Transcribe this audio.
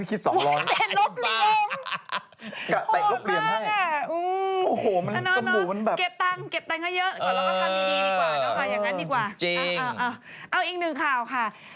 เอาอีกหนึ่งข่าวค่ะ